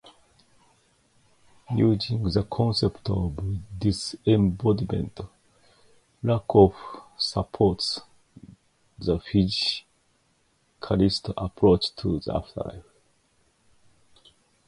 Using the concept of disembodiment, Lakoff supports the physicalist approach to the afterlife.